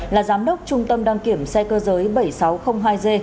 là giám đốc trung tâm đăng kiểm xe cơ giới bảy nghìn sáu trăm linh hai g